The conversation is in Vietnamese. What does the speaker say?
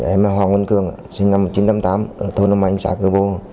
em là hoàng quân cường sinh năm một nghìn chín trăm tám mươi tám ở thôn âm anh xã cửa bô